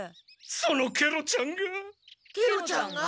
そのケロちゃんが。